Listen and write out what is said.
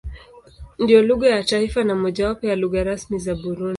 Ndiyo lugha ya taifa na mojawapo ya lugha rasmi za Burundi.